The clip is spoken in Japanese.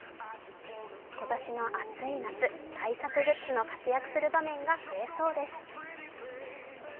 今年の暑い夏、対策グッズの活躍する場面が増えそうです。